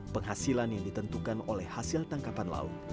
penghasilan yang ditentukan oleh hasil tangkapan laut